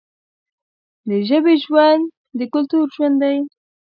د ژبې ژوند د کلتور ژوند دی.